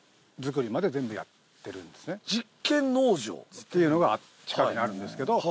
っていうのが近くにあるんですけど。